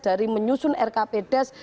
dari menyusun rkp des